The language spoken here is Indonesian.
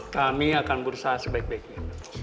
kami akan berusaha sebaik baiknya